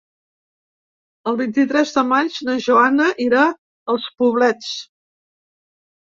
El vint-i-tres de maig na Joana irà als Poblets.